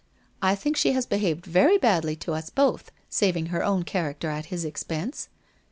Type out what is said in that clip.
I think she has behaved very badly to us both, saving her own character at his expense.